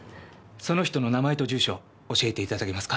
その人の名前と住所教えて頂けますか？